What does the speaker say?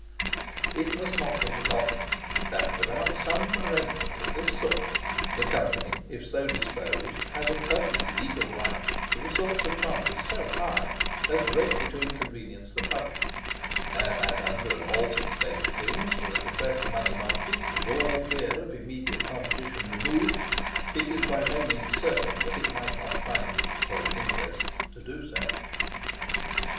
It must not be forgotten that, without some arrangement of this sort, the Company, if so disposed, has a perfect legal right to resort to charges so high as greatly to inconvenience the Public, and that, under an altered state of things, with a depressed money market, and all fear of immediate competition removed, it is by no means certain that it might not find it for its interest to do so.